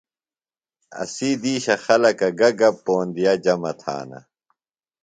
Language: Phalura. اسی دیشی خلکہ گہ گہ پوندِیہ جمع تھانہ؟